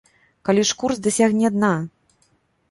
Калі ж курс дасягне дна?